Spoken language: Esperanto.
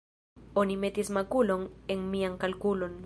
Oni metis makulon en mian kalkulon.